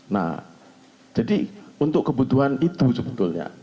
nah jadi untuk kebutuhan itu sebetulnya